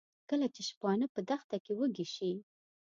کله چې شپانه په دښته کې وږي شي.